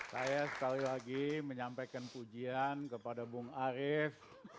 saya sekali lagi menyampaikan pujian kepada bung arief